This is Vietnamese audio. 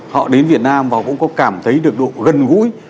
họ đến việt nam và cũng có cảm thấy được độ gần gũi